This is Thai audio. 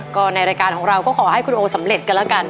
ก็ในรายการของเราก็ขอให้คุณโอสำเร็จกันแล้วกัน